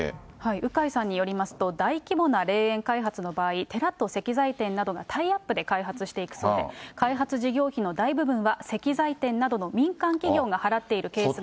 鵜飼さんによりますと、大規模な霊園開発の場合、寺と石材店などがタイアップで開発していくそうで、開発事業費の大部分は石材店などの民間企業が払っているケースが多い。